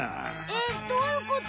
えっどういうこと？